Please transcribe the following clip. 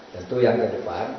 dan itu yang kedepan